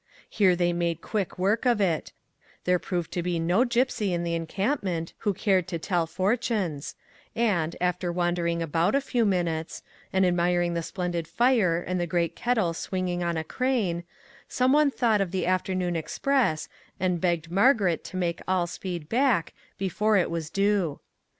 Here they made quick work of it ; there proved to be no gypsy in the encampment who cared to tell fortunes, and, after wandering about a few minutes, and admiring the splendid fire and the great kettle swinging on a crane, some one thought of the afternoon express and begged Margaret to make all speed back, before it was due.